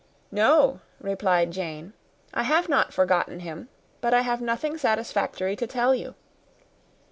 "No," replied Jane, "I have not forgotten him; but I have nothing satisfactory to tell you.